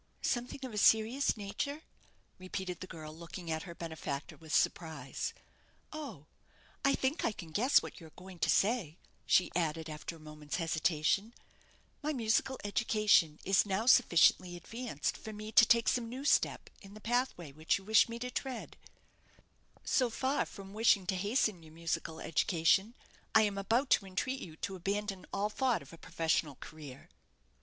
"Something of a serious nature," repeated the girl, looking at her benefactor with surprise. "Oh, I think I can guess what you are going to say," she added, after a moment's hesitation; "my musical education is now sufficiently advanced for me to take some new step in the pathway which you wish me to tread." "No, Honoria, you are mistaken," answered the baronet, gravely; "so far from wishing to hasten your musical education, I am about to entreat you to abandon all thought of a professional career."